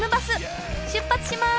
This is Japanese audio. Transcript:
出発します！